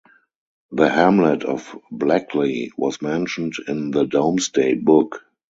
The hamlet of Blackley was mentioned in the Domesday Book.